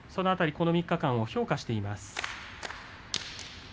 この３日間を評価しています。